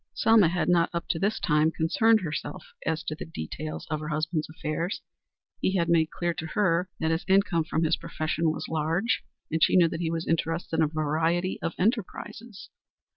Selma had not up to this time concerned herself as to the details of her husband's affairs. He had made clear to her that his income from his profession was large, and she knew that he was interested in a variety of enterprises.